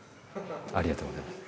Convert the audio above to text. ありがとうございます。